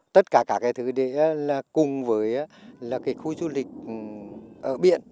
tất cả cả cái thứ để là cùng với là cái khu du lịch ở biển